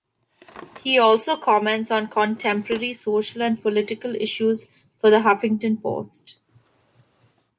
He also comments on contemporary social and political issues for the "Huffington Post".